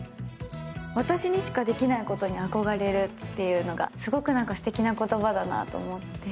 私にしかできないことに憧れるって、すごくステキな言葉だなと思って。